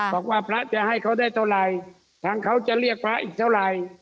บอกว่าพระจะให้เขาได้เท่าไหร่ทางเขาจะเรียกพระอีกเท่าไหร่